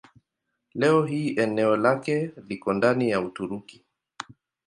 Leo hii eneo lake liko ndani ya Uturuki.